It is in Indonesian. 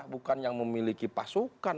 bukan yang memiliki pasukan